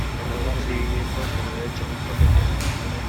con tantos recibimientos, tengo derecho a un toqueteo.